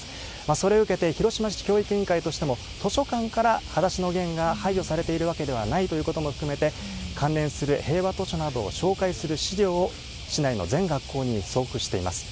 それを受けて、広島市教育委員会としても、図書館からはだしのゲンが排除されているわけではないということも含めて、関連する平和図書などを紹介する資料を、市内の全学校に送付しています。